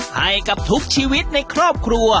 ให้กับทุกชีวิตในครอบครัว